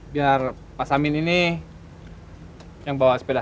biar pak samin ini yang bawa sepeda